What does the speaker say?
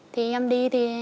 thì em đi thì